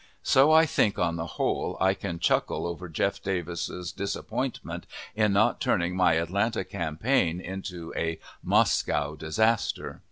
So, I think, on the whole, I can chuckle over Jeff. Davis's disappointment in not turning my Atlanta campaign into a "Moscow disaster."